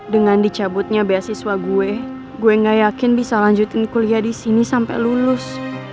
dengan dicabutnya beasiswa gue gue gak yakin bisa lanjutin kuliah di sini sampai lulus